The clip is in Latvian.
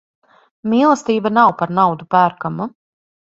Mīlestība nav par naudu pērkama.